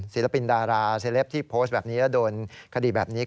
ศิลปินดาราเซลปที่โพสต์แบบนี้แล้วโดนคดีแบบนี้